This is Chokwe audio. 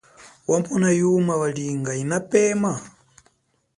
Wamona yuma walinga yinapeme ?